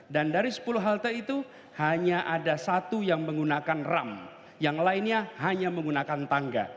dan dari sepuluh halte itu hanya ada satu yang menggunakan ram yang lainnya hanya menggunakan tangga